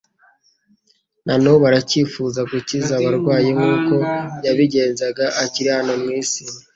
Na n'ubu aracyifuza gukiza abarwayi nk'uko yabigenzaga akiri hano mu isi.